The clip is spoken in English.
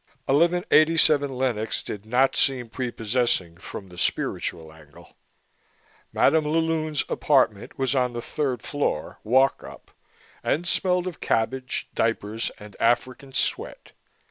Eleven eighty seven Lenox did not seem prepossessing from the spiritual angle. Madam la Lune's apartment was on the third floor, walk up, and smelled of cabbage, diapers and African sweat.